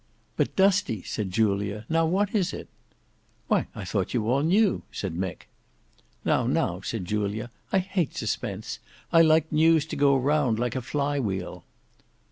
"But Dusty," said Julia, "now what is it?" "Why, I thought you all knew," said Mick. "Now, now," said Julia, "I hate suspense. I like news to go round like a fly wheel."